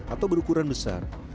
atau berukuran besar